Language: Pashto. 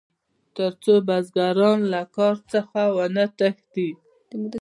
تر څو بزګران له کار څخه ونه تښتي.